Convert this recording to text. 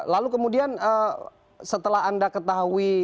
lalu kemudian setelah anda ketahui